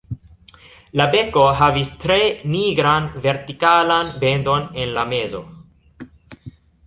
La beko havis tre nigran vertikalan bendon en la mezo.